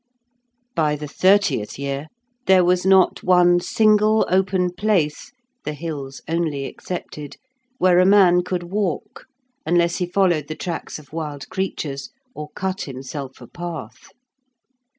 By the thirtieth year there was not one single open place, the hills only excepted, where a man could walk, unless he followed the tracks of wild creatures or cut himself a path.